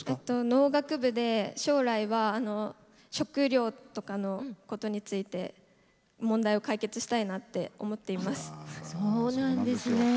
農学部で将来は食料とかのことについて問題を解決したいなって思っています。